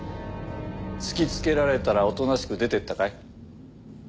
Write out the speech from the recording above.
突き付けられたらおとなしく出てったかい？